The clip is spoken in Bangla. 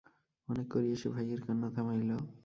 অনেক করিয়া সে ভাইয়ের কান্না থামাইল।